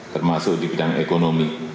termasuk di bidang ekonomi